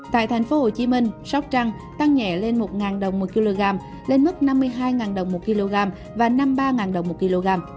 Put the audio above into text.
tại thành phố hồ chí minh sóc trăng tăng nhẹ lên một đồng mỗi kg lên mức năm mươi hai đồng mỗi kg và năm mươi ba đồng mỗi kg